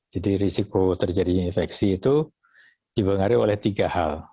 jadi risiko terjadinya infeksi itu dibangun oleh tiga hal